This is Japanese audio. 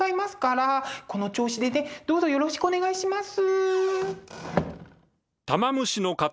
この調子でねどうぞよろしくお願いします。